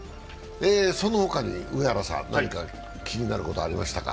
その他に上原さん、何か気になることありましたか。